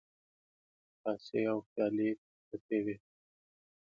کاسې او پيالې تيت پرتې وې.